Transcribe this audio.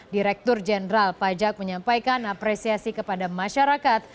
direktur jenderal pajak menyampaikan apresiasi kepada masyarakat